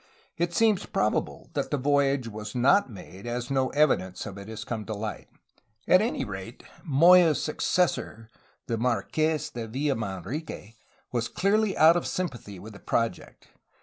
It seems probable that the voyage was not made, as no evidence of it has come to light. At any rate, Moya's successor, the Marques deVillamanrique, was clearly out of sympathy with the project.